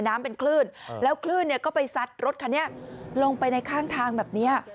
น้ำเป็นคลื่นแล้วคลื่นเนี่ยก็ไปซัดรถคันนี้ลงไปในข้างทางแบบนี้